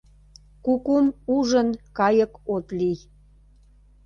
Кукум ужын, кайык от лий